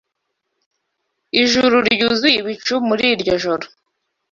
Ijuru ryuzuye ibicu muri iryo joro.